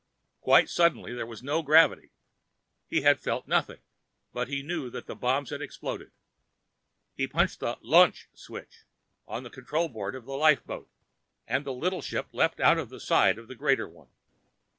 Quite suddenly, there was no gravity. He had felt nothing, but he knew that the bombs had exploded. He punched the LAUNCH switch on the control board of the lifeboat, and the little ship leaped out from the side of the greater one.